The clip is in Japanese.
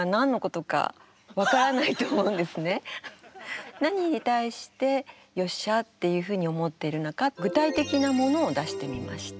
まず何に対して「よっしゃあ」っていうふうに思ってるのか具体的なものを出してみました。